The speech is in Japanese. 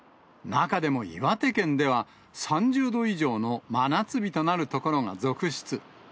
中でも岩手県では、３０度以上の真夏日となる所が続出。